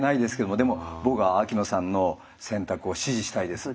でも僕は秋野さんの選択を支持したいです。